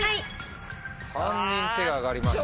３人手が挙がりました。